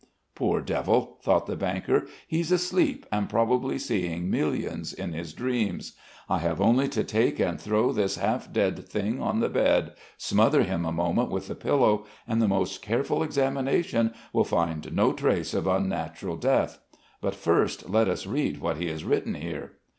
"Poor devil," thought the banker, "he's asleep and probably seeing millions in his dreams. I have only to take and throw this half dead thing on the bed, smother him a moment with the pillow, and the most careful examination will find no trace of unnatural death. But, first, let us read what he has written here."